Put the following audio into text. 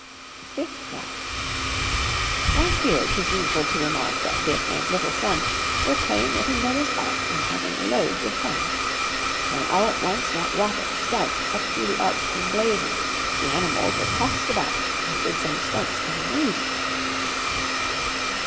[Illustration: FOURTH FLAT] FIFTH FLAT Right here 'tis needful to remark That Dick and "Little Son" Were playing with a Noah's ark And having loads of fun, When all at once that rocket, stout, Up through the ark came blazing! The animals were tossed about And did some stunts amazing.